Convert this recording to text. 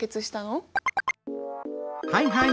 はいはい